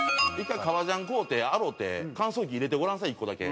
１回革ジャン買うて洗うて乾燥機入れてごらんなさい１個だけ。